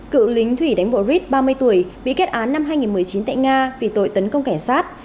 cựu lính thủy đánh bộ rit ba mươi tuổi bị kết án năm hai nghìn một mươi chín tại nga vì tội tấn công cảnh sát